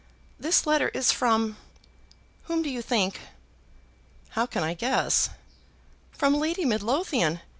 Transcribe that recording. This letter is from, whom do you think?" "How can I guess?" "From Lady Midlothian!